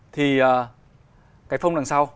thì cái phông đằng sau